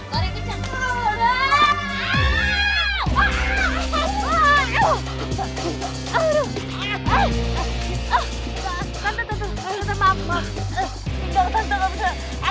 tante jangan jangan